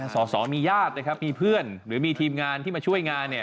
สอสอมีญาติมีเพื่อนหรือมีทีมงานที่มาช่วยงาน